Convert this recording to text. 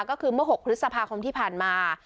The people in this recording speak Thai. ก็คือเมื่อ๖พฤษภาคมที่ผ่านมา